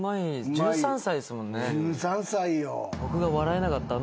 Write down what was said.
１３歳よ。